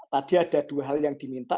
tadi ada dua hal yang diminta